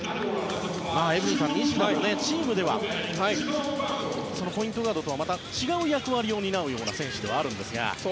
エブリンさん、西田もチームではそのポイントガードとはまた違う役割を担う選手ではありますが。